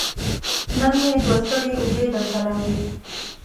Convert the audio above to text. نن مې دوه ستړې اوږې درته راوړي